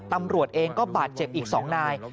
ตำรวจเองก็บาดเจ็บอีก๒นาย